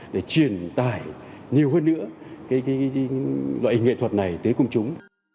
để truyền tải nhiều hơn nữa loại nghệ thuật này tới công chúng